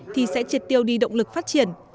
thì sẽ triệt tiêu đi động lực phát triển